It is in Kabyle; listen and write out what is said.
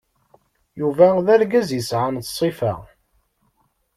Yuba d argaz yesɛan ṣṣifa.